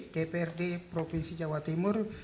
dprd provinsi jawa timur